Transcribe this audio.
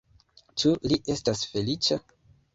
Ĉu li estas feliĉa?